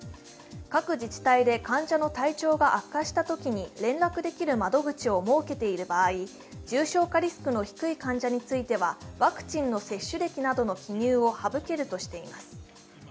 各自治体で患者の体調が悪化したときに連絡できる窓口を設けている場合重症化リスクの低い患者についてはワクチンの接種歴などの記入を省けるとしています。